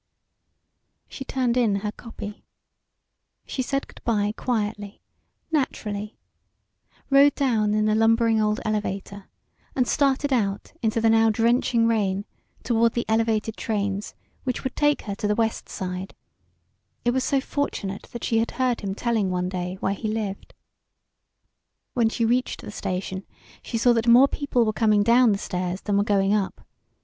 She turned in her copy. She said good bye quietly, naturally, rode down in the lumbering old elevator and started out into the now drenching rain toward the elevated trains which would take her to the West Side; it was so fortunate that she had heard him telling one day where he lived. When she reached the station she saw that more people were coming down the stairs than were going up.